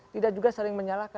tidak juga saling menyalahkan